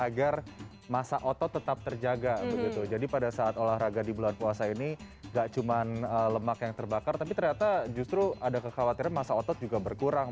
agar masa otot tetap terjaga begitu jadi pada saat olahraga di bulan puasa ini gak cuma lemak yang terbakar tapi ternyata justru ada kekhawatiran masa otot juga berkurang